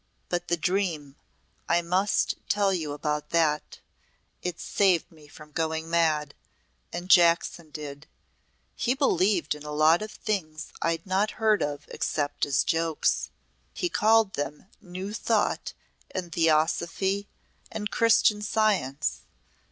"But the dream I must tell you about that. It saved me from going mad and Jackson did. He believed in a lot of things I'd not heard of except as jokes. He called them New Thought and Theosophy and Christian Science.